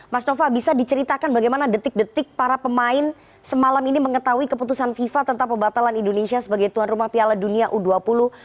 mas nova bisa diceritakan bagaimana detik detik para pemain semalam ini mengetahui keputusan fifa tentang pembatalan indonesia sebagai tuan rumah piala dunia u dua puluh